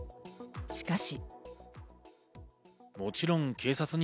しかし。